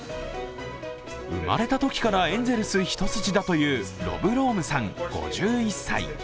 生まれたときからエンゼルス一筋だというロブ・ロームさん５１歳。